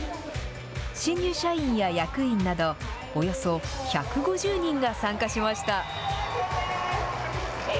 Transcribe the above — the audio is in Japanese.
新入社員や役員など、およそ１５０人が参加しました。